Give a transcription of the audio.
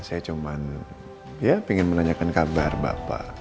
saya cuma ya pengen menanyakan kabar bapak